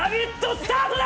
スタートだ！